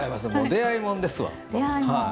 出会いもんですわ。